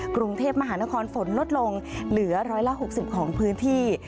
กรุงเทพมหานครฝนลดลงเหลือ๑๖๐ของพื้นที่